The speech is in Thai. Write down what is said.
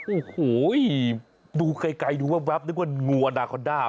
โอ้โหดูไกลดูแว๊บนึกว่างูอนาคอนด้า